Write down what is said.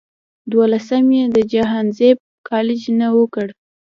دولسم ئې د جهانزيب کالج نه اوکړو